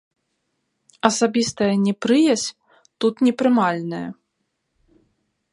Асабістая непрыязь тут непрымальная.